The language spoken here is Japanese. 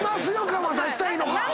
感は出したいのか。